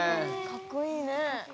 かっこいい！